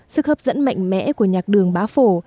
sức hấp dẫn mạnh mẽ của nhạc đường bá phổ